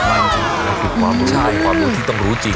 จริงคือความบุญความบุญที่ต้องรู้จริง